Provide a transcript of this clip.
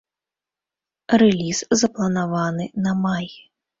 Рэліз запланаваны на май.